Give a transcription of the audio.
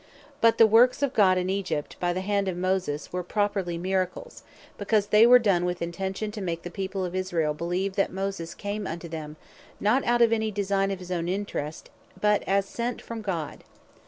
But the works of God in Egypt, by the hand of Moses, were properly Miracles; because they were done with intention to make the people of Israel beleeve, that Moses came unto them, not out of any design of his owne interest, but as sent from God.